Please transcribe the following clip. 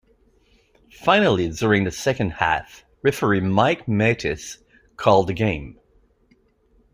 Finally, during the second half, referee Mike Mathis called the game.